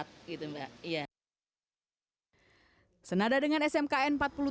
iya senada dengan smkn empat puluh tujuh